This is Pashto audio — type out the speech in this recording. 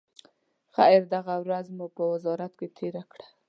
خیر، دغه ورځ مو په وزارت کې تېره کړه.